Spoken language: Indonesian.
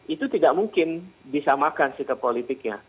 itu tidak mungkin bisa makan sikap politiknya